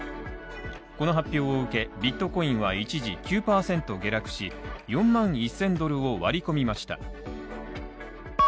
この発表を受け、ビットコインは一時９％下落し、４万１０００ドルを割り込みました。